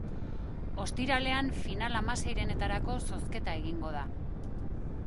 Ostiralean final-hamaseirenetarako zozketa egingo da.